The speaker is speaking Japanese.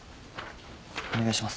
お願いします。